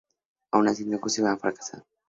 Aun así, el negocio fue un fracaso.